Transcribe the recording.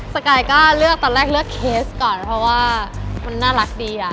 สกายก็เลือกตอนแรกเลือกเคสก่อนเพราะว่ามันน่ารักดีอะ